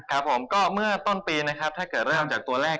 ครับผมก็เมื่อต้นปีนะครับถ้าเกิดเริ่มจากตัวเลข